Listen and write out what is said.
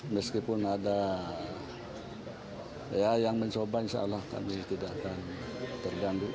meskipun ada ya yang mencoba insya allah kami tidak akan terganggu